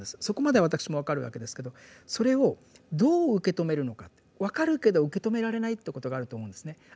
そこまでは私も分かるわけですけどそれをどう受け止めるのか分かるけど受け止められないということがあると思うんですね。